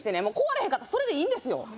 へんかったらそれでいいんですよ